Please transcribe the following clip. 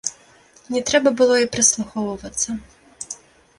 Не трэба было і прыслухоўвацца.